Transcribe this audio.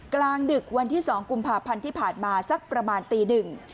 กลางดึกวันที่๒กุมภาพันธ์ที่ผ่านมาสักประมาณตีหนึ่ง